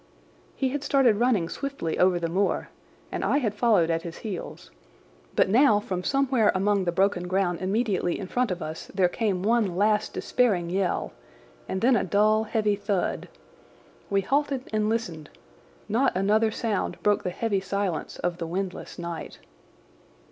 He had started running swiftly over the moor, and I had followed at his heels. But now from somewhere among the broken ground immediately in front of us there came one last despairing yell, and then a dull, heavy thud. We halted and listened. Not another sound broke the heavy silence of the windless night.